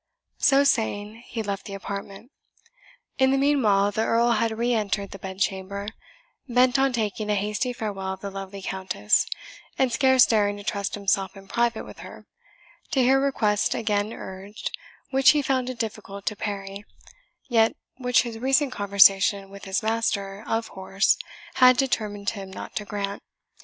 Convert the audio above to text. So saying, he left the apartment. In the meanwhile the Earl had re entered the bedchamber, bent on taking a hasty farewell of the lovely Countess, and scarce daring to trust himself in private with her, to hear requests again urged which he found it difficult to parry, yet which his recent conversation with his master of horse had determined him not to grant.